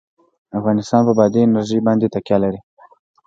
افغانستان په بادي انرژي باندې تکیه لري.